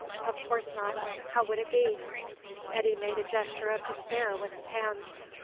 Of course not; how would it be?" Eddy made a gesture of despair with his hands.